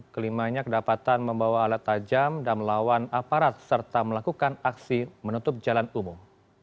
kelimanya kedapatan membawa alat tajam dan melawan aparat serta melakukan aksi menutup jalan umum